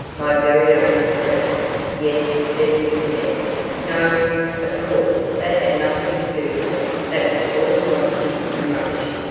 "My very own for ever?" "Yes." Their lips met. No, of course, that had nothing to do with it. That was all nonsense and rubbish.